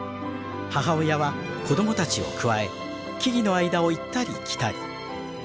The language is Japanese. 母親は子供たちをくわえ木々の間を行ったり来たり。